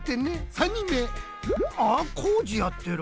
３にんめあっこうじやってる。